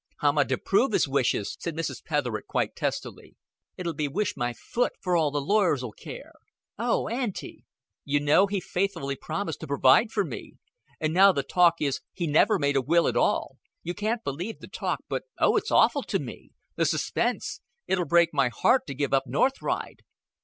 "How'm I to prove his wishes?" said Mrs. Petherick, quite testily. "It'll be wish my foot, for all the lawyers'll care." "Oh, Auntie!" "You know, he faithfully promised to provide for me. And now the talk is he never made a will at all. You can't believe the talk. But, oh, it's awful to me. The suspense! It'll break my heart to give up North Ride."